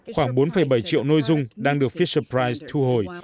khoảng bốn bảy triệu nội dung đang được fisherpride thu hồi